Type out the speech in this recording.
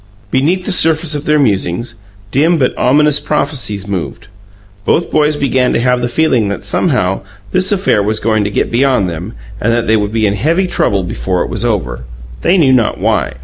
Beneath the surface of their musings, dim but ominous prophecies moved; both boys began to have the feeling that, somehow, this affair was going to get beyond them and that they would be in heavy trouble before it was over they knew not why.